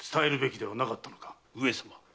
上様。